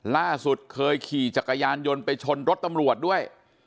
ล่าสุดเคยขี่จักรยานยนต์ไปชนรถตำรวจด้วย